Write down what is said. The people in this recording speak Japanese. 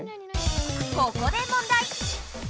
ここで問題！